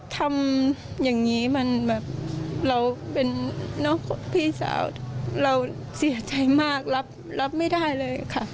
ทำอย่างนี้มันแบบเราเป็นพี่สาวเราเสียใจมากรับไม่ได้เลยค่ะ